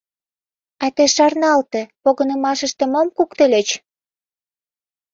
А тый шарналте, погынымашыште мом куктыльыч?»